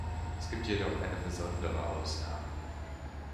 Es gibt jedoch eine besondere Ausnahme.